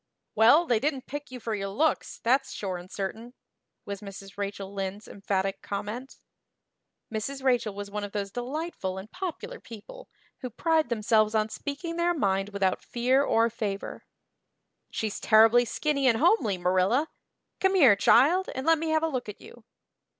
"Well, they didn't pick you for your looks, that's sure and certain," was Mrs. Rachel Lynde's emphatic comment. Mrs. Rachel was one of those delightful and popular people who pride themselves on speaking their mind without fear or favor. "She's terrible skinny and homely, Marilla. Come here, child, and let me have a look at you.